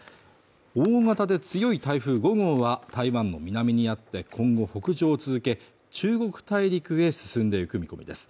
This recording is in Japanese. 大型で強い台風５号は台湾の南にあって今後北上を続け中国大陸へ進んでいく見込みです